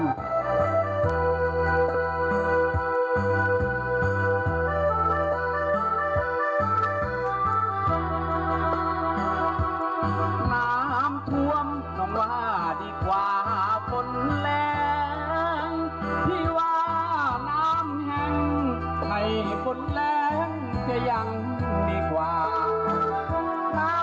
น้ำท่วมที่นี่ทุกปานรวมมีแต่กราบน้ำตา